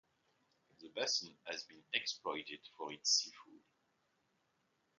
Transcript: The Basin has been exploited for its seafood.